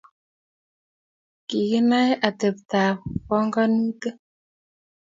Kikinae atebto ab panganutik